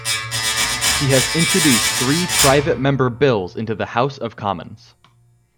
He has introduced three Private Member Bills into the House of Commons.